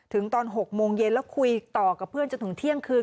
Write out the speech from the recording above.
ตอน๖โมงเย็นแล้วคุยต่อกับเพื่อนจนถึงเที่ยงคืน